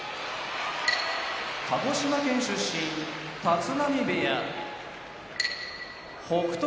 鹿児島県出身立浪部屋北勝